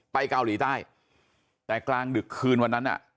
เกาหลีใต้แต่กลางดึกคืนวันนั้นอ่ะ